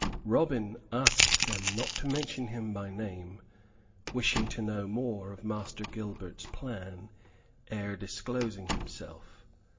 Robin asked them not to mention him by name, wishing to know more of Master Gilbert's plans ere disclosing himself.